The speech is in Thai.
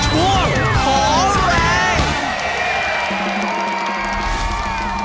ช่วงขอแรง